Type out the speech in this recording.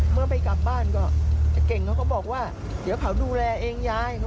เมื่อไปกลับบ้านก็เก่งเขาก็บอกว่าเดี๋ยวเขาดูแลเองยาย